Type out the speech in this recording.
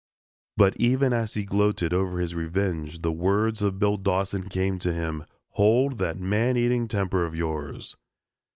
But even as he gloated over his revenge, the words of Bill Dawson came to him, "Hold that man eating temper of yours."